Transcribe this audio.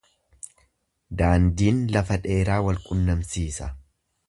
Daandiin lafa dheeraa wal qunnamsiisa.